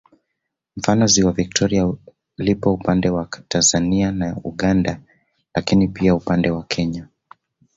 Mfano ziwa Viktoria lipo upande wa Tanzania na Uganda lakini pia upande wa Kenya